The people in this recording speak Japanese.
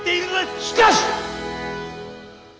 しかし！